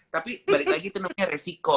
tapi balik lagi itu namanya resiko